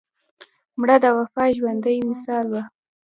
مړه د وفا ژوندي مثال وه